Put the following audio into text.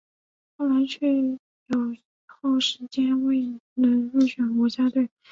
后来却有一后时间未能入选国家队。